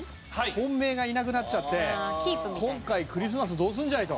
本命がいなくなっちゃって今回クリスマスどうするんじゃいと。